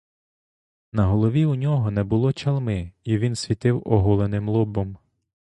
На голові у нього не було чалми, і він світив оголеним лобом.